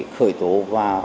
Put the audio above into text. khởi tố và